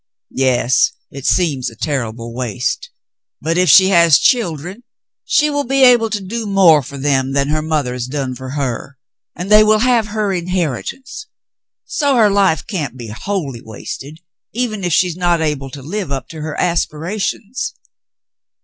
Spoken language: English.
*' Yes, it seems a terrible waste ; but if she has children, she will be able to do more for them than her mother has done for her, and they will have her inheritance ; so her life can't be wholly wasted, even if she is not able to live up to her aspirations."